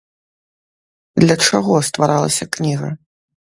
Для чаго стваралася кніга?